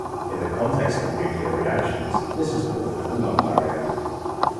In the context of nuclear reactions this is called a Coulomb barrier.